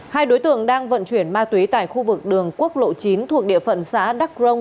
hai đối tượng đang vận chuyển ma túy tại khu vực đường quốc lộ chín thuộc địa phận xã đắc rông